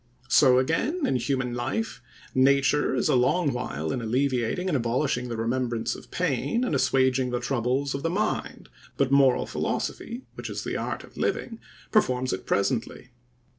So again, in human life, nature is a long while in alleviating and abolishing the remembrance of pain, and assuaging the troubles of the mind; but moral philosophy, which is the art of living, performs it presently.